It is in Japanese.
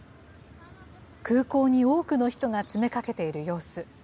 空港に多くの人が詰めかけている様子。